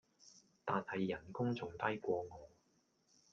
但係人工仲低過我